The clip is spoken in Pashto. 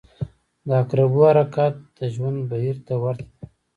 • د عقربو حرکت د ژوند بهیر ته ورته دی.